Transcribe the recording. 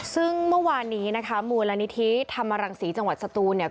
ซึ่งเมื่อวานนี้นะคะมูลนิธิธรรมรังศรีจังหวัดสตูนเนี่ย